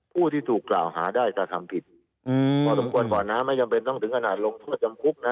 ผู้ที่ถูกกล่าวหาได้กระทำผิดพอสมควรก่อนนะไม่จำเป็นต้องถึงขนาดลงโทษจำคุกนะ